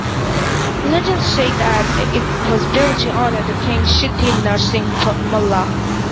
Legends say that it was built to honour the King Siddhi Narsingh Malla.